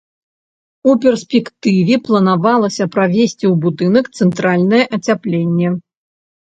У перспектыве планавалася правесці ў будынак цэнтральнае ацяпленне.